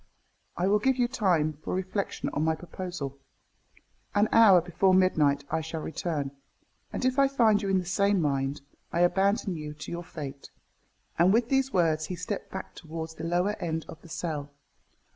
I will give you time for reflection on my proposal. An hour before midnight I shall return, and if I find you in the same mind, I abandon you to your fate." And with these words he stepped back towards the lower end of the cell.